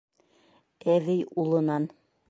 Әбей улынан: